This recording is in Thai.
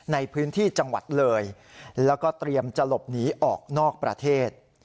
ในพื้นที่จังหวัดเลยแล้วก็เตรียมจะหลบหนีออกนอกประเทศ